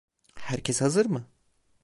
Herkes hazır mı?